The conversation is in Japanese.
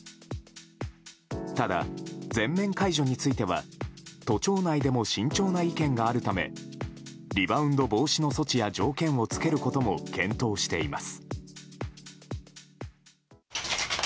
ただ、全面解除については都庁内でも慎重な意見があるためリバウンド防止の措置や条件を付けることも検討しています。